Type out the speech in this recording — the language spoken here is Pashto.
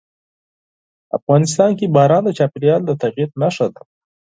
افغانستان کې باران د چاپېریال د تغیر نښه ده.